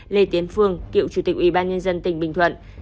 lê tiến phương cựu chủ tịch ủy ban nhân dân tỉnh bình thuận